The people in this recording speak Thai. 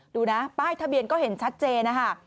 ดูนะป้ายทะเบียนก็เห็นชัดเจนนะคะ